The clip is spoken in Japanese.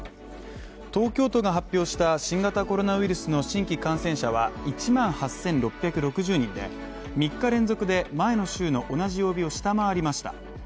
東京都が発表した新型コロナウイルスの新規感染者は１万８６６０人で３日連続で前の週の同じ曜日を下回りました。